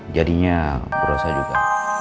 jadinya berusaha juga